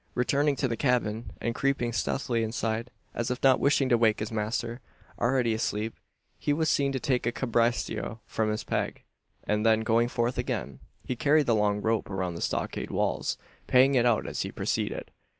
Returning to the cabin, and creeping stealthily inside as if not wishing to wake his master, already asleep he was seen to take a cabriesto from its peg; and then going forth again, he carried the long rope around the stockade walls paying it out as he proceeded.